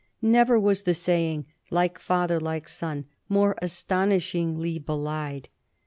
Never ^as the saying " Like father, like son " more astonishingly be lied.